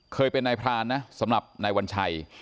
เคยเป็นนายพรานนะสำหรับนายวัญชัย